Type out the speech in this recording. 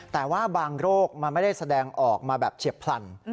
แต่ว่าบางโรคมันไม่ได้แสดงออกมาแบบเฉียบพลัน